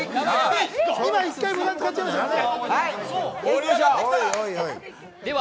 今１回分使っちゃいましたからね。